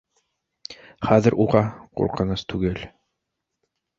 Хәҙер уға ҡурҡыныс түгел